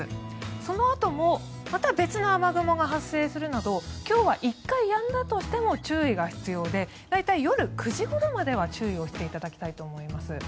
そのあともまた別の雨雲が発生するなど今日は１回やんだとしても注意が必要で大体夜９時ごろまでは注意をしていただきたいと思います。